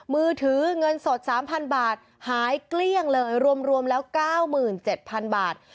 มือถือเงินสด๓๐๐บาทหายเกลี้ยงเลยรวมแล้ว๙๗๐๐บาท